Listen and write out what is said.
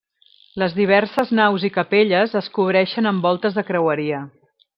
Les diverses naus i capelles es cobreixen amb voltes de creueria.